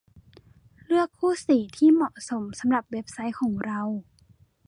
เลือกคู่สีที่เหมาะสมสำหรับเว็บไซต์ของเรา